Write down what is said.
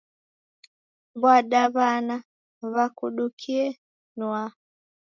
W'adawana w'akudukie nwaa!